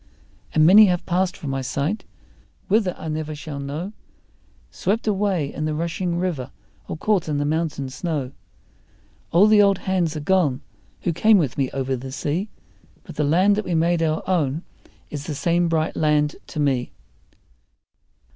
And many have passed from my sight, whither I never shall know, Swept away in the rushing river or caught in the mountain snow; All the old hands are gone who came with me over the sea, But the land that we made our own is the same bright land to me.